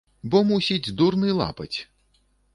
Бо, мусіць, дурны лапаць!